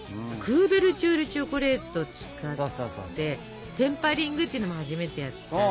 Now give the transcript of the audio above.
クーベルチュールチョコレートを使ってテンパリングっていうのも初めてやったでしょ。